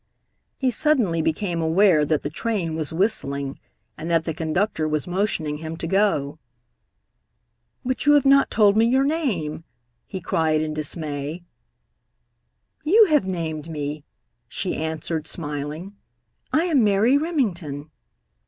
He suddenly became aware that the train was whistling and that the conductor was motioning him to go. "But you have not told me your name," he cried in dismay. "You have named me," she answered, smiling. "I am Mary Remington."